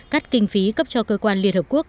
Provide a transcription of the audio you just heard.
cắt kinh phí cấp cho cơ quan liên hợp quốc